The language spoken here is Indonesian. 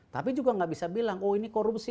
tapi juga nggak bisa bilang oh ini korupsi